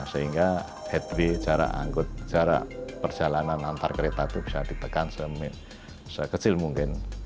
sehingga headway jarak angkut jarak perjalanan antar kereta itu bisa ditekan sekecil mungkin